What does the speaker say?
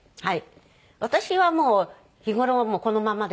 はい。